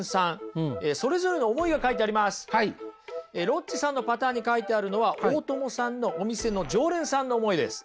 ロッチさんのパターンに書いてあるのは大友さんのお店の常連さんの思いです。